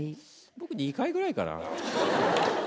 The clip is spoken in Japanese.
僕２回ぐらいかな。